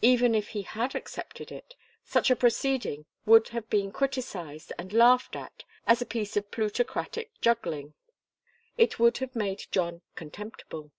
Even if he had accepted it, such a proceeding would have been criticised and laughed at as a piece of plutocratic juggling. It would have made John contemptible.